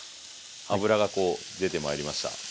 脂がこう出てまいりました。